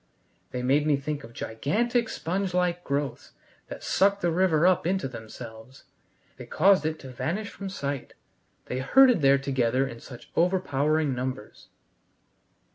They made me think of gigantic sponge like growths that sucked the river up into themselves. They caused it to vanish from sight. They herded there together in such overpowering numbers.